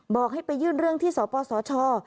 บอกให้ไปยื่นเรื่องที่สปสช